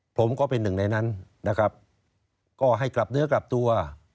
ผมก็เป็น๑ในนั้นให้กลับเนื้อกลับตัว